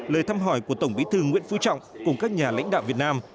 lời thăm hỏi của tổng bí thư nguyễn phú trọng cùng các nhà lãnh đạo việt nam